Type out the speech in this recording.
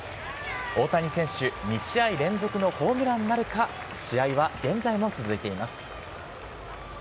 大谷選手、２試合連続のホームランなるか、試合は現在も続いています。